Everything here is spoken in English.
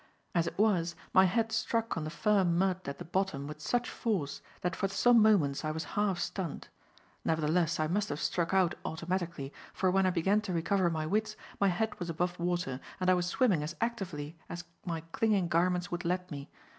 As it was, my head struck on the firm mud at the bottom with such force, that for some moments I was half stunned. Nevertheless, I must have struck out automatically, for when I began to recover my wits my head was above water, and I was swimming as actively as my clinging garments would let me.